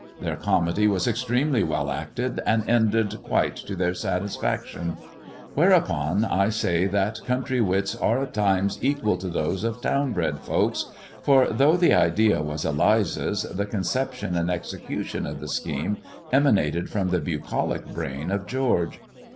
Their comedy was extremely well acted, and ended quite to their satisfaction. Therefore I say that country wits are at times equal to those of townbred folks, for though the idea was Eliza's, the conception and exe cution of the scheme emanated from the bucolic brain of George.